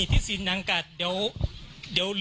พอสักวันก็เต็มใจเลย